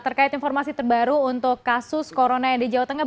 terkait informasi terbaru untuk kasus corona yang di jawa tengah